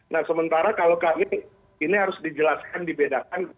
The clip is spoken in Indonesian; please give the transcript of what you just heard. nah sementara kalau kami ini harus dijelaskan dibedakan